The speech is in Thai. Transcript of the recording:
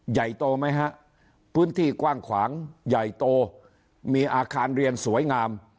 ใหญ่โตไหมฮะพื้นที่กว้างขวางใหญ่โตมีอาคารเรียนสวยงาม